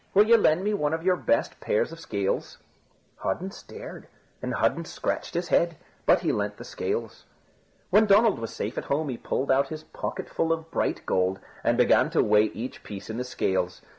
Will you lend me your best pair of scales?" Hudden stared and Hudden scratched his head, but he lent the scales. When Donald was safe at home, he pulled out his pocketful of bright gold and began to weigh each piece in the scales.